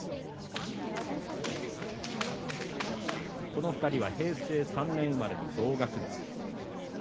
この２人は平成３年生まれの同学年。